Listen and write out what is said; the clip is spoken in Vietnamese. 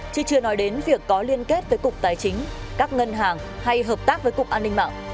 chứ chưa nói đến việc có liên kết với cục tài chính các ngân hàng hay hợp tác với cục an ninh mạng